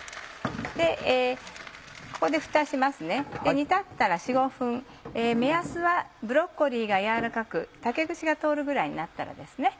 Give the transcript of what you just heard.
煮立ったら４５分目安はブロッコリーが軟らかく竹串が通るぐらいになったらですね。